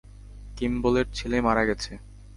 কিম্বলের ছেলে মারা গেছে।